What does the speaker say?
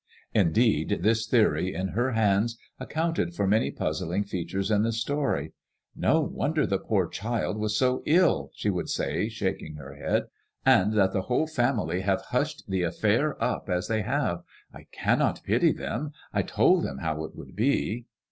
Indeed this theory, in her hands, accounted for many puzz ling features in the story, *' No f l82 AffADEMOISELLE IXE. wonder the poor child was so ill/' she would say, shaking her head, " and that the whole family have hushed the affair up as they have. I cannot pity them. I told them how it would be."